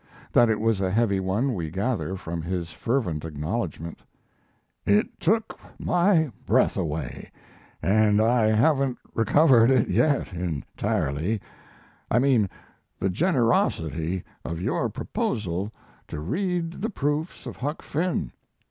That it was a heavy one we gather from his fervent acknowledgment: It took my breath away, and I haven't recovered it yet, entirely I mean the generosity of your proposal to read the proofs of Huck Finn.